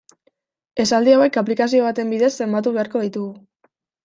Esaldi hauek aplikazio baten bidez zenbatu beharko ditugu.